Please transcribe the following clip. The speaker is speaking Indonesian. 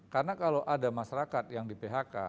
karena kalau ada masyarakat yang di phk